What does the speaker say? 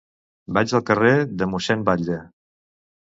Vaig al carrer de Mossèn Batlle.